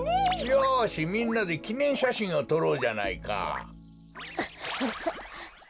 よしみんなできねんしゃしんをとろうじゃないか！